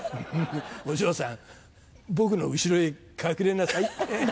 「お嬢さん僕の後ろへ隠れなさい」。